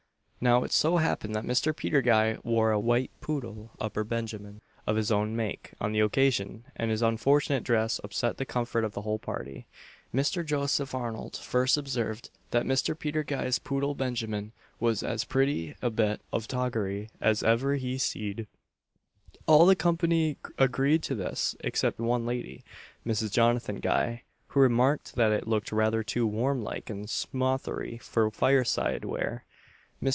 Now it so happened that Mr. Peter Guy wore a white poodle upper benjamin, of his own make, on the occasion, and this unfortunate dress upset the comfort of the whole party. Mr. Joseph Arnold first observed, that Mr. Peter Guy's poodle benjamin was as pretty a bit of toggery as ever he seed. All the company agreed to this, except one lady (Mrs. Jonathan Guy), who remarked that it looked rather too warm like and smothery for fireside wear. Mr.